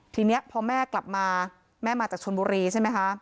ทีนี้พอแม่กลับมาแม่มาจากชนบุรีใช่ไหมคะ